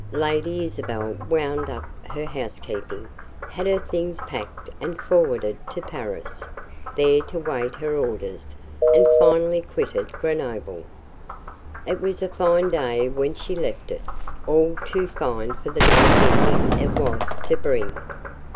Lady Isabel wound up her housekeeping, had her things packed and forwarded to Paris, there to wait her orders and finally quitted Grenoble. It was a fine day when she left it all too fine for the dark ending it was to bring.